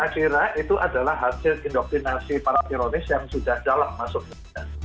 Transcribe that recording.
akhirnya itu adalah hasil indoktrinasi para ironis yang sudah jalan masuk ke dunia